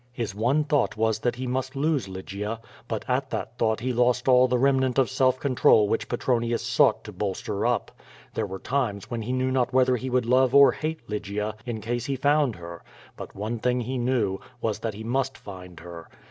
His one thought was that he must lose Lygia; but at that thought he lost all the remnant of self control which Petronius sought to bolster up. There were times when he knew not whether he would love or hate Lygia in case he found her; but one thing he knew, was that he must find lier.